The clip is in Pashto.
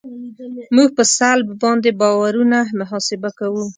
موږ په سلب باندې بارونه محاسبه کوو